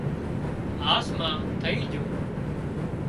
هاس مان ٿئي جھون